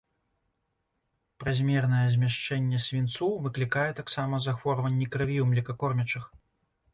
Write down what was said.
Празмернае змяшчэнне свінцу выклікае таксама захворванні крыві ў млекакормячых.